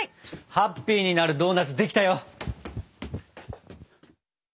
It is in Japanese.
ハッピーになるドーナツできたよ！